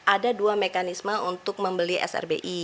ada dua mekanisme untuk membeli srbi